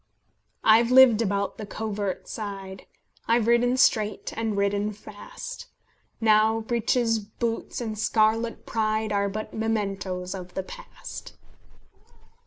"I've lived about the covert side, I've ridden straight, and ridden fast; Now breeches, boots, and scarlet pride Are but mementoes of the past."